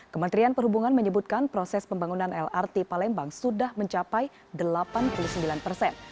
kementerian perhubungan menyebutkan proses pembangunan lrt palembang sudah mencapai delapan puluh sembilan persen